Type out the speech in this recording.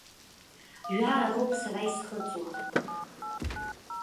Жәаа роуп сара исхыҵуа!